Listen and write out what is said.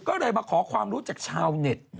ก็เลยมาขอความรู้จากชาวเน็ต